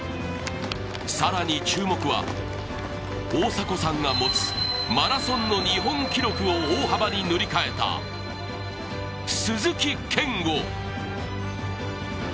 更に注目は、大迫さんが持つマラソンの日本記録を大幅に塗り替えた鈴木健吾。